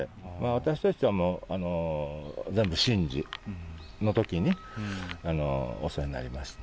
私たちは全部神事のときに、お世話になりました。